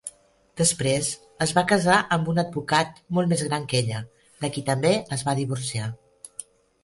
Després es va casar amb un advocat molt més gran que ella, de qui també es va divorciar.